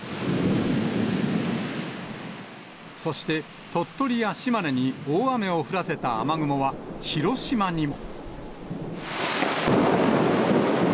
そして、鳥取や島根に大雨を降らせた雨雲は、広島にも。